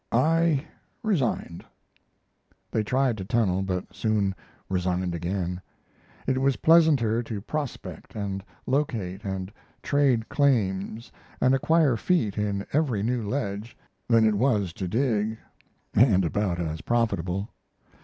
I resigned." They tried to tunnel, but soon resigned again. It was pleasanter to prospect and locate and trade claims and acquire feet in every new ledge than it was to dig and about as profitable.